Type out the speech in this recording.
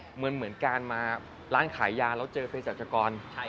เหมือนการมาร้านขายยาแล้วเจอเพศรัชกร